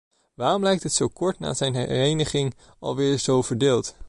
Waarom lijkt het zo kort na zijn hereniging alweer zo verdeeld?